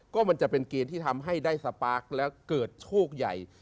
ก็มันจะเป็นเกณฑ์ที่ทำให้ได้สปาร์คแล้วเกิดโชคใหญ่